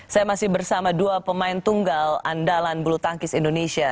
saya masih bersama dua pemain tunggal andalan bulu tangkis indonesia